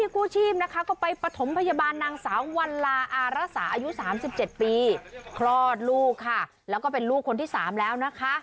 คลอดลูกค่ะแล้วก็เป็นลูกคนที่สามแล้วนะคะ